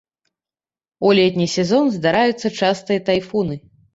У летні сезон здараюцца частыя тайфуны.